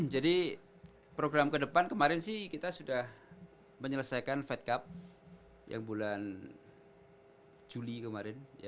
jadi program kedepan kemarin sih kita sudah menyelesaikan fight cup yang bulan juli kemarin ya